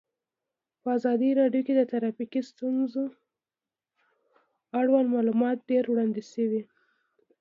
په ازادي راډیو کې د ټرافیکي ستونزې اړوند معلومات ډېر وړاندې شوي.